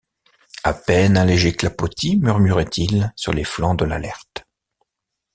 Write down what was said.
À peine un léger clapotis murmurait-il sur les flancs de l’Alert.